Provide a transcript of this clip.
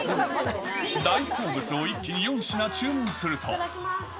大好物を一気に４品注文すると。